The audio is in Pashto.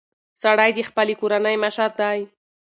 سړی د خپلې کورنۍ مشر دی.